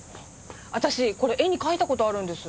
私これ絵に描いた事あるんです。